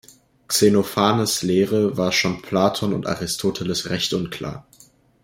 Xenophanes’ Lehre war schon Platon und Aristoteles recht unklar.